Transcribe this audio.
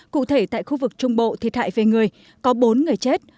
cụ thể tại khu vực trung bộ thiệt hại về người có bốn người chết